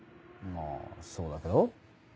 まぁそうだけど。